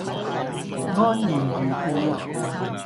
安然如故